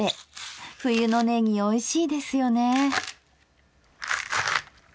冬のねぎおいしいですよね。